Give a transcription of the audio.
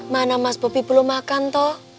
mana mas bobi belum makan toh